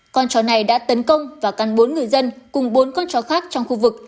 con chó này đã tấn công và cắn bốn người dân cùng bốn con chó khác trong khu vực